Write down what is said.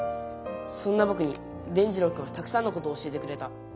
そんなぼくに伝じろうくんはたくさんのことを教えてくれた。